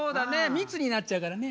密になっちゃうからね。